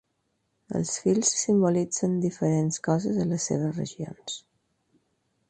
Els fils simbolitzen diferents coses a les seves regions.